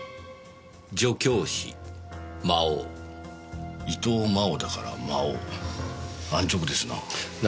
「女教師魔王」伊藤真央だから「魔王」安直ですな。